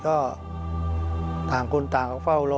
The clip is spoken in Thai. ก็ต่างคนต่างก็เฝ้ารอ